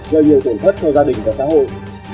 gây nhiều tổn thất cho gia đình và xã hội